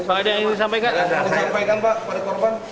ada yang disampaikan pak kepada korban